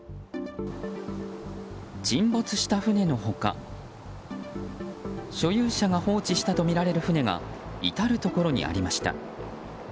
沈没した船の他所有者が放置したとみられる船が至るところにありました。